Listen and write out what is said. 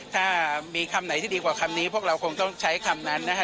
ถ้ามีคำไหนที่ดีกว่าคำนี้พวกเราคงต้องใช้คำนั้นนะฮะ